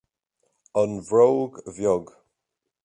An bhróg bheag